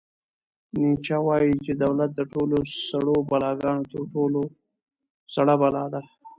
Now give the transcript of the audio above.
نیچه وایي چې دولت د ټولو سړو بلاګانو تر ټولو سړه بلا ده.